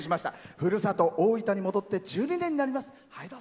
ふるさと・大分に戻って１２年になります。